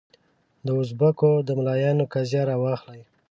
دوزبکو د ملایانو قضیه راواخلې.